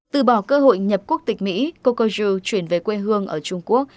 từ bỏ cơ hội nhập quốc tịch mỹ kokojiu chuyển về quê hương ở trung quốc